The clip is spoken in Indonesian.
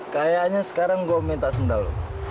kayaknya sekarang gue minta sendal